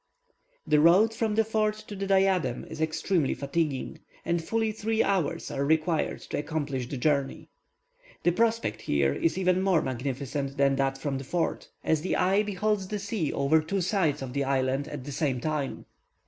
The road from the fort to the Diadem is extremely fatiguing, and fully three hours are required to accomplish the journey. The prospect here is even more magnificent than from the fort, as the eye beholds the sea over two sides of the island at the same time.